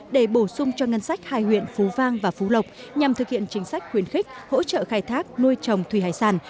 để bổ sung cho ngân sách hai huyện phú vang và phú lộc nhằm thực hiện chính sách khuyến khích hỗ trợ khai thác nuôi trồng thủy hải sản